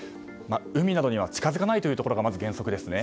海などには近づかないというところがまず原則ですね。